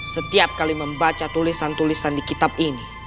setiap kali membaca tulisan tulisan di kitab ini